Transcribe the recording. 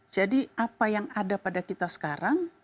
jadi apa yang ada pada kita sekarang